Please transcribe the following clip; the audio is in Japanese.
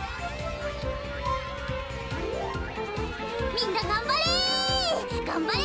みんながんばれ。